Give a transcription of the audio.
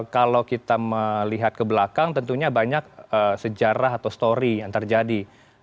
kalau kita melihat ke belakang tentunya banyak sejarah atau story yang terjadi